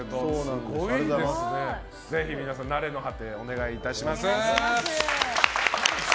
ぜひ皆さん、「なれのはて」お願いします。